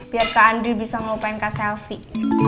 biar kak andri bisa ngelupain kak selfie